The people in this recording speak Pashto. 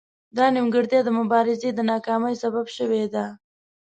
دا نیمګړتیا د مبارزې د ناکامۍ سبب شوې ده